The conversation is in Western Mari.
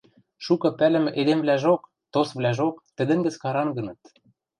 Шукы пӓлӹмӹ эдемвлӓжок, тосвлӓжок тӹдӹн гӹц карангыныт.